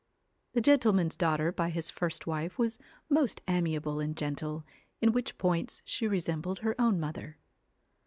The gentleman's daughter by his first wife was most amiable and gentle, in which points she resembled her own mother.